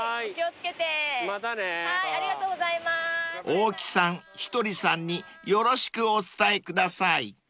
［大木さんひとりさんによろしくお伝えください］